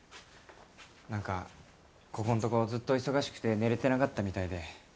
なんかここんとこずっと忙しくて寝れてなかったみたいで。